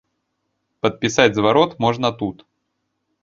Падпісаць зварот можна тут.